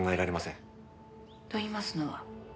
といいますのは？